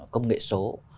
công nghệ số